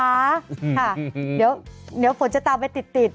ค่ะเดี๋ยวเดี๋ยวฝนจะตามไปติด